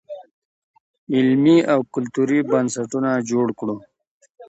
علمي او کلتوري بنسټونه جوړ کړو.